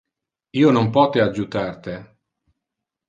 Io non pote adjutar te.